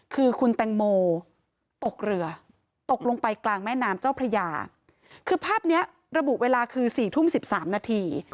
คือคุณแตงโมตกเรือตกลงไปกลางแม่น้ำเจ้าพระยาคือภาพนี้ระบุเวลาคือ๔ทุ่ม๑๓นาที